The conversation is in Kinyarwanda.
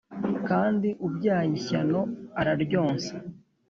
Kandi ubyaye ishyano araryonsa!